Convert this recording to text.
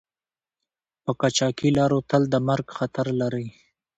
په قاچاقي لارو تل د مرګ خطر لری